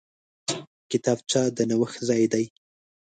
کتابچه د نوښت ځای دی